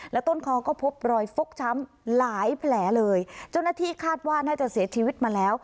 แล้วต้นคอก็พบรอยฟกช้ำหลายแผลเลยเจ้าหน้าที่คาดว่าน่าจะเสียชีวิตมาแล้ว